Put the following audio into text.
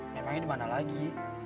memangnya di mana lagi